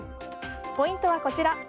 ポイントはこちら。